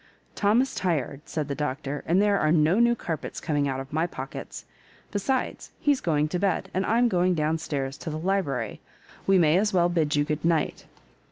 " Tom is tired," said the Doctor ;*' and there are no new carpets coming out of my pockets. Besides, he's going to bed, and Fm going down stairs to the library. We may as well bid you good night."